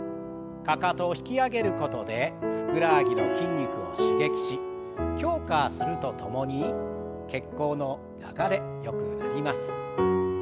かかとを引き上げることでふくらはぎの筋肉を刺激し強化するとともに血行の流れよくなります。